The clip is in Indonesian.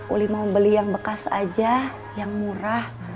uli mau beli yang bekas aja yang murah